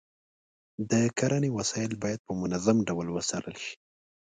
د کرنې وسایل باید په منظم ډول وڅارل شي.